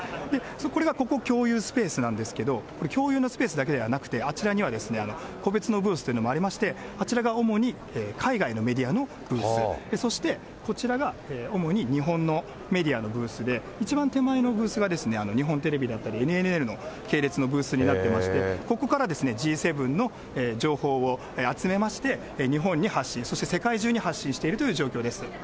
これがここ共有スペースなんですけれども、共有のスペースだけではなくて、あちらには、個別のブースというのもありまして、あちらが主に海外のメディアのブース、そしてこちらが主に日本のメディアのブースで、一番手前のブースは日本テレビだったり、ＮＮＮの系列のブースになっていまして、ここからＧ７の情報を集めまして、日本に発信、そして世界中に発信しているという状況です。